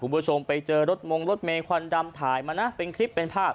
คุณผู้ชมไปเจอรถมงรถเมควันดำถ่ายมานะเป็นคลิปเป็นภาพ